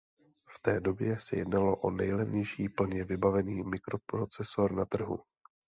V té době se jednalo o nejlevnější plně vybavený mikroprocesor na trhu.